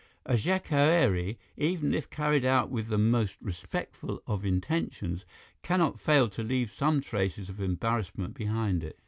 A jacquerie, even if carried out with the most respectful of intentions, cannot fail to leave some traces of embarrassment behind it.